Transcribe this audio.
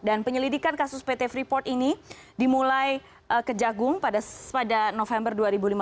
dan penyelidikan kasus pt freeport ini dimulai ke jagung pada november dua ribu lima belas